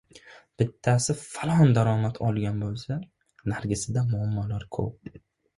Bittasi falon daromad olgan boʻlsa, narigisida muammolar koʻp.